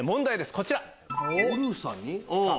こちら。